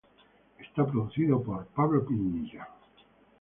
Está producido por Pablo Pinilla.